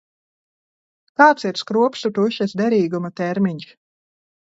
Kāds ir skropstu tušas derīguma termiņš?